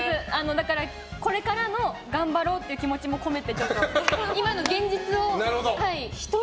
だから、これからの頑張ろうっていう気持ちを込めて今の現実を。